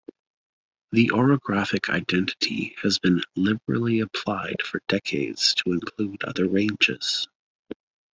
The orographic identity has been liberally applied for decades to include other ranges.